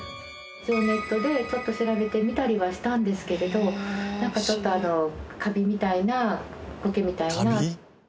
一応ネットでちょっと調べてみたりはしたんですけれどなんかちょっとカビみたいなコケみたいな。